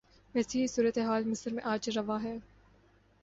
ویسی ہی صورتحال مصر میں آج روا ہے۔